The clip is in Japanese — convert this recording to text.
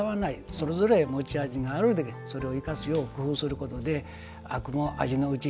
それぞれ持ち味があるからそれを生かすよう工夫することであくも味のうち。